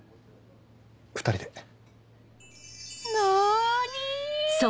２人で。